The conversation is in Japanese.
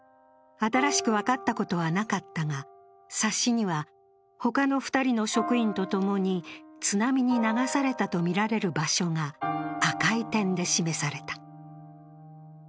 新しく分かったことはなかったが、冊子には他の２人の職員と共に津波に流されたとみられる場所が赤い点で示された。